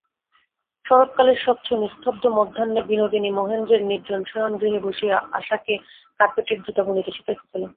শরৎকালের স্বচ্ছ নিস্তব্ধ মধ্যাহ্নে বিনোদিনী মহেন্দ্রের নির্জন শয়নগৃহে বসিয়া আশাকে কার্পেটের জুতা বুনিতে শিখাইতেছিল।